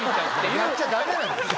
やっちゃダメなんだよ。